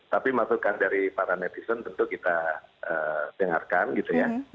tapi masukan dari para netizen tentu kita dengarkan gitu ya